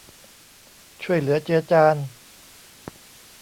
ช่วยเหลือเจือจาน